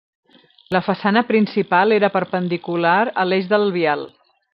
La façana principal era perpendicular a l'eix del vial.